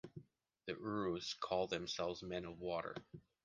The Urus called themselves "men of water".